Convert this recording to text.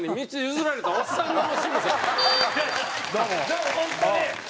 でも本当に。